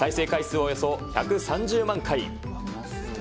およそ１３０万回。